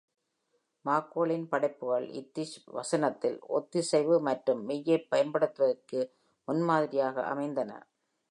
மார்கோலின் படைப்புகள் இத்திஷ் வசனத்தில் ஒத்திசைவு மற்றும் மெய்யைப் பயன்படுத்துவதற்கு முன்மாதிரியாக அமைந்தன.